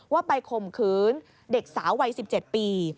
ว่าไปข่มขืนเด็กสาววัย๑๗ปี